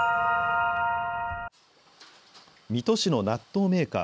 水戸市の納豆メーカー。